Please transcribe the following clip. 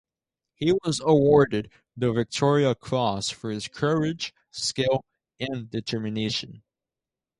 He was awarded the Victoria Cross for his courage, skill and determination.